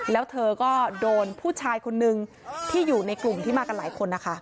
แล้วเธอก็โดนผู้ชายคนนึงที่อยู่ในกลุ่มที่มากันหลายคนนะคะ